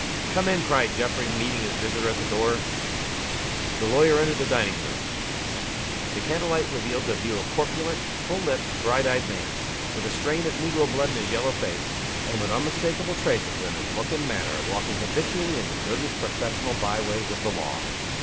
"Come in!" cried Geoffrey, meeting his visitor at the door. The lawyer entered the dining room. The candle light revealed to view a corpulent, full lipped, bright eyed man with a strain of negro blood in his yellow face, and with unmistakable traces in his look and manner of walking habitually in the dirtiest professional by ways of the law.